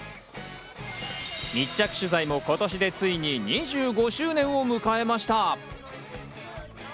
密着取材も今年でついに２５周年を迎えました。